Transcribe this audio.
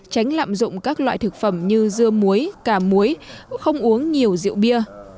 tránh lạm dụng các loại thực phẩm như dưa muối cà muối không uống nhiều rượu bia